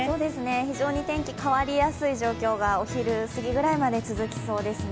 非常に天気、変わりやすい状況がお昼すぎぐらいまで続きそうですね。